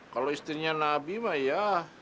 kalau istrinya nabi mah ya